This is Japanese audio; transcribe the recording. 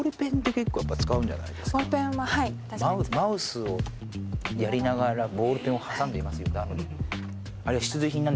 マウスをやりながらボールペンを挟んでいますよね。